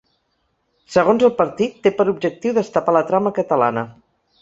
Segons el partit té per objectiu ‘destapar la trama catalana’.